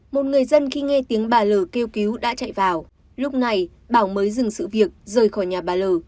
một người dân khi nghe tiếng bà l kêu cứu đã chạy vào lúc này bảo mới dừng sự việc rời khỏi nhà bà l